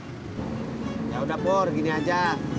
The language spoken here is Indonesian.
hai ya udah bor gini aja